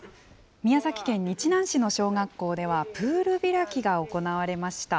宮崎県日南市の小学校では、プール開きが行われました。